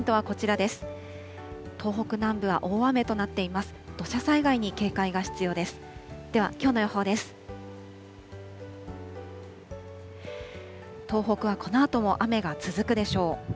東北はこのあとも雨が続くでしょう。